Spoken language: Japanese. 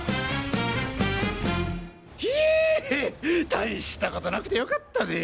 大したことなくて良かったぜ。